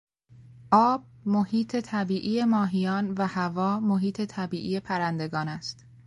آب محیط طبیعی ماهیان و هوا محیط طبیعی پرندگان است.